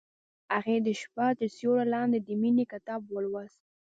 هغې د شپه تر سیوري لاندې د مینې کتاب ولوست.